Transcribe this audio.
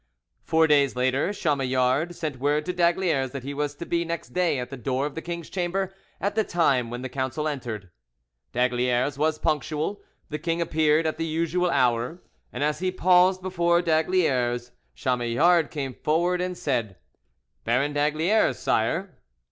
Four days later, Chamillard sent word to d'Aygaliers that he was to be next day at the door of the king's chamber at the time when the council entered. D'Aygaliers was punctual, the king appeared at the usual hour, and as he paused before d'Aygaliers, Chamillard came forward and said: "Baron d'Aygaliers, sire."